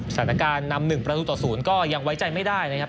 สถานการณ์นำ๑ประตูต่อ๐ก็ยังไว้ใจไม่ได้นะครับ